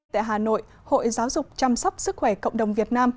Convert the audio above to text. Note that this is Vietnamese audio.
tại hà nội hội giáo dục chăm sóc sức khỏe cộng đồng việt nam